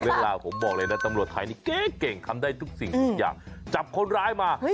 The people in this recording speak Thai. เวลาตำรวจไทยเก่งทำได้ทุกสิ่งจับคนร้ายมา